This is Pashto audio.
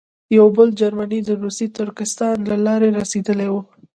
یو بل جرمنی د روسي ترکستان له لارې رسېدلی وو.